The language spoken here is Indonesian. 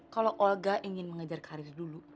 kalau olga ingin mengejar karir dulu